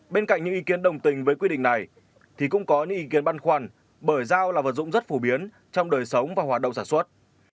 bên cạnh những ý kiến đồng tình với quy định này thì cũng có những ý kiến băn khoăn bởi dao là vật dụng rất phổ biến trong đời sống và hoạt động sản xuất